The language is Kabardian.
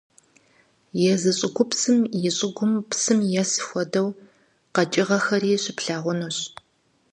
Езы щӀыгупсым и щыгум псым ес хуэдэу къэкӀыгъэхэри щыплъагъунущ.